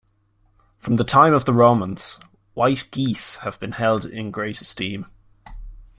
From the time of the Romans, white geese have been held in great esteem.